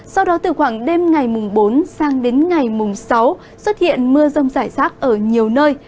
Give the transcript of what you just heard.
sau đó từ khoảng đêm ngày mùng bốn sang đến ngày mùng sáu xuất hiện mưa rông rải rác ở nhiều nơi